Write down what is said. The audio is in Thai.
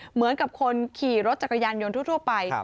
เหมือนกับคนขี่รถจักรยานยนต์ทั่วไป